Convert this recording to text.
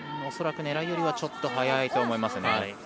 恐らく狙いよりはちょっと速いと思います。